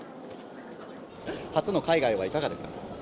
初の海外はいかがですか？